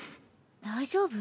大丈夫？